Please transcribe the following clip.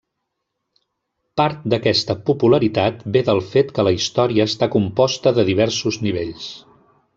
Part d'aquesta popularitat ve del fet que la història està composta de diversos nivells.